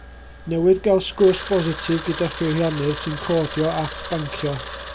Newydd gael sgwrs bositif gyda pheiriannydd sy'n codio ap bancio.